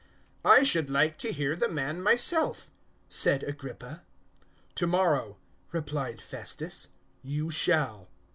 025:022 "I should like to hear the man myself," said Agrippa. "to morrow," replied Festus, "you shall."